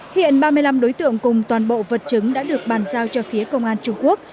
hiện ba mươi năm đối tượng cùng toàn bộ vật chứng đã được bàn giao cho phía công an trung quốc